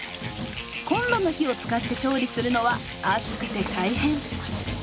コンロの火を使って調理するのは暑くて大変。